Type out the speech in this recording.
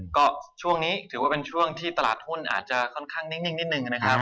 ก็ช่วงนี้ถือว่าเป็นช่วงที่ตลาดหุ้นอาจจะค่อนข้างนิ่งนิดนึงนะครับ